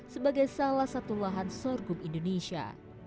sebagai salah satu lahan sorghum indonesia